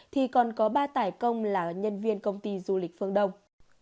thì còn có ba tài công là nhân viên công ty du lịch phương đông